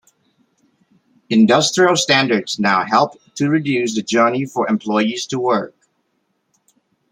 Industrial standards now help to reduce the journey for employees to work.